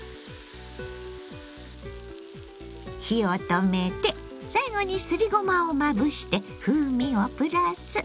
火を止めて最後にすりごまをまぶして風味をプラス。